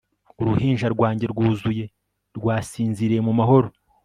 Uruhinja rwanjye rwuzuye rwasinziriye mu mahoro